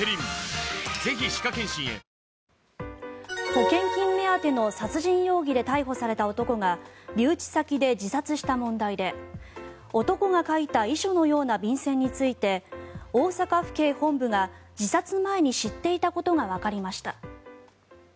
保険金目当ての殺人容疑で逮捕された男が留置先で自殺した問題で男が書いた遺書のような便せんについて大阪府警本部が自殺前に知っていたことがわかりました。